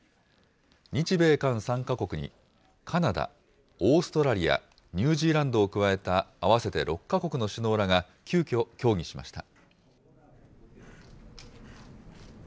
日米韓３か国にカナダ、オーストラリア、ニュージーランドを加えた、合わせて６か国の首脳らが急きょ、協議しました。